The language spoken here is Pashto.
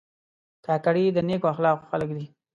کاکړي د نیکو اخلاقو خلک دي.